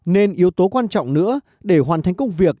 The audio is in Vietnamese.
nên yếu tố quan trọng nữa để hoàn thành công việc